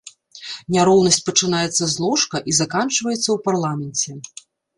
Няроўнасць пачынаецца з ложка і заканчваецца ў парламенце.